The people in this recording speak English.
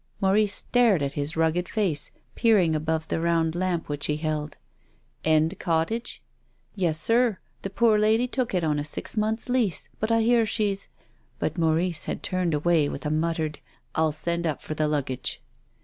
Maurice stared at his rugged face peering above the round lamp which he held. " End Cottage?" "Yes, sir. The poor lady took it on a six months' lease, but I hear she's —" Jiut Maurice had turned away with a mut tered :" I'll send up for the luggage."